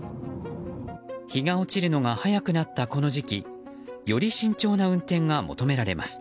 日が落ちるのが早くなったこの時期より慎重な運転が求められます。